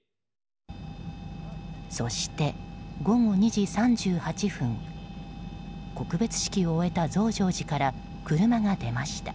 そして、午後２時２８分告別式を終えた増上寺から車が出ました。